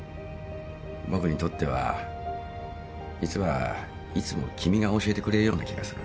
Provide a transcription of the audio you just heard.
僕にとっては実はいつも君が教えてくれるような気がする。